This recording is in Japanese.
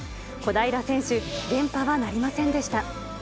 小平選手、連覇はなりませんでした。